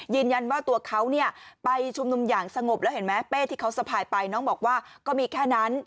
ยืนยันว่าตัวเขาเนี่ยไปชุมนุมอย่างสงบแล้วเห็นไหมเป้ที่เขาสะพายไปน้องบอกว่าก็มีแค่นั้น